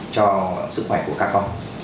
cho sức khỏe của các con